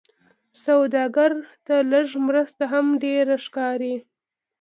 سوالګر ته لږ مرسته هم ډېره ښکاري